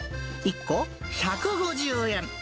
１個１５０円。